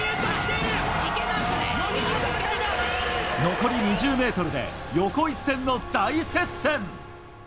残り２０ｍで横一線の大接戦！